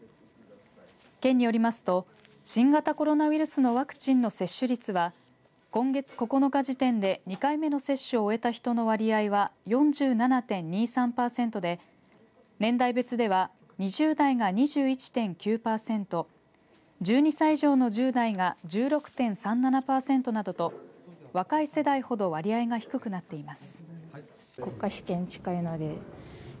県によりますと新型コロナウイルスのワクチンの接種率は今月９日時点で２回目の接種を終えた人の割合は４７．２３パーセントで年代別では２０代が２１．９パーセント１２歳以上の１０代が１６．３７パーセントなどと若い世代ほど割合が低くなっています。